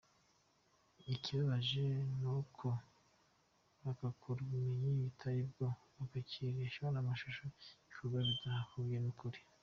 Ikibabaje ni uko bahakura ubumenyi butaribwo, bakabeshywa n’amashusho, ibikorwa bidahuye n’ukuri.